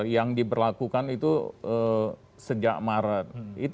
yang diberlakukan itu sejak maret